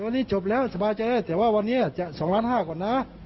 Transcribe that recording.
วันนี้จบแล้วสบายใจแต่ว่าวันนี้จะ๒ล้านห้าก่อนนะ